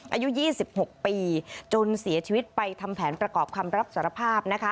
อายุ๒๖ปีจนเสียชีวิตไปทำแผนประกอบคำรับสารภาพนะคะ